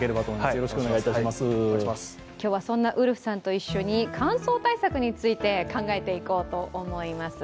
今日はそんなウルフさんと一緒に乾燥対策について考えていこうと思います。